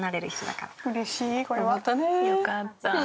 よかった。